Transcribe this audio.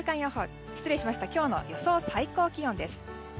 今日の予想最高気温です。